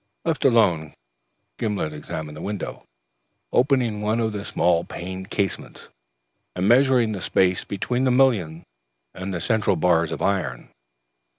Left alone, Gimblet examined the window, opening one of the small paned casements, and measuring the space between the mullions and the central bars of iron.